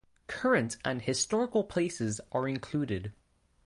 Current and historical places are included.